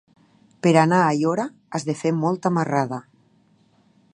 Per anar a Aiora has de fer molta marrada.